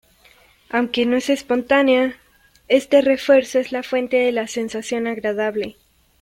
Aunque no es espontánea, este refuerzo es la fuente de la sensación agradable.